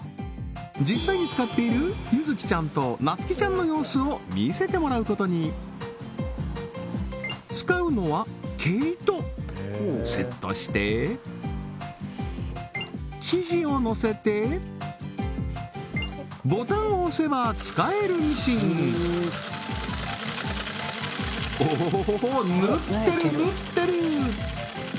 実際に使っているゆづきちゃんとなつきちゃんの様子を見せてもらうことに使うのは毛糸セットして生地をのせてボタンを押せば使えるミシンおお縫ってる縫ってる！